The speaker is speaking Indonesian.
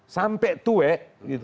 sampai tua gitu